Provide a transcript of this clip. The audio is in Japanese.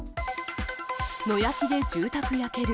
野焼きで住宅焼ける。